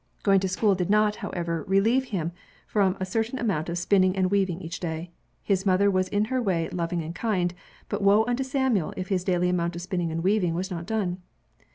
Going to school did not, however, relieve hirn from a certain amount of spinning and weaving each day. His mother was in her way loving and kind, but woe unto Samuel if his daily amount of spinning and weaving was not done.